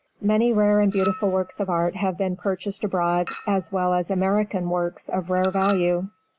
Many rare and beautiful works of art have been purchased abroad, as well as American works of rare value.